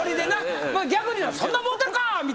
逆に言えば「そんなもろてるか！」みたいな。